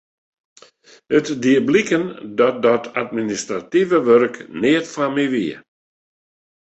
It die bliken dat dat administrative wurk neat foar my wie.